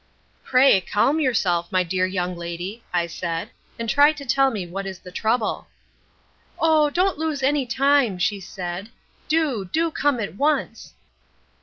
"'Pray, calm yourself, my dear young lady,' I said, 'and try to tell me what is the trouble.' "'Oh, don't lose any time,' she said, 'do, do come at once.'